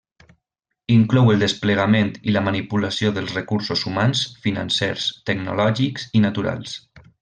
Inclou el desplegament i la manipulació dels recursos humans, financers, tecnològics i naturals.